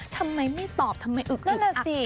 ทำไมไม่ตอบทำไมอึกนั่นน่ะสิ